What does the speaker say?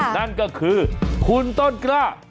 นั่นก็คือคุณต้นกล้า